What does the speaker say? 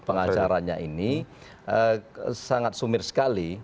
pengacaranya ini sangat sumir sekali